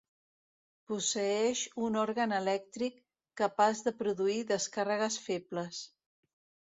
Posseeix un òrgan elèctric capaç de produir descàrregues febles.